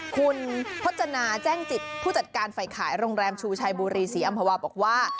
คุณพจนาแจ้งจิตผู้จัดการฝ่ายขายโรงแรมชูชัยบุรีศรีอำภาวาบอกว่า